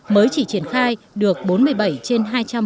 mới chỉ triển khai được bốn mươi bảy trên hai trăm bốn mươi năm